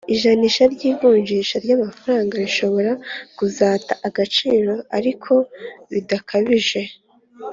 ijanisha ry'ivunjisha ry'amafaranga rishobora kuzata agaciro ariko bidakabije